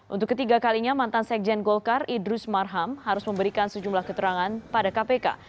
untuk ketiga kalinya mantan sekjen golkar idrus marham harus memberikan sejumlah keterangan pada kpk